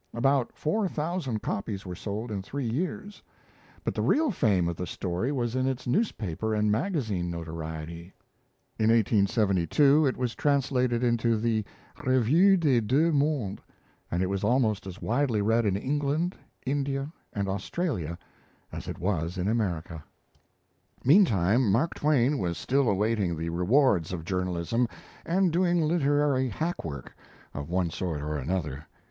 About four thousand copies were sold in three years; but the real fame of the story was in its newspaper and magazine notoriety. In 1872 it was translated into the 'Revue des Deux Mondes'; and it was almost as widely read in England, India, and Australia as it was in America. Meantime Mark Twain was still awaiting the rewards of journalism, and doing literary hack work of one sort or another.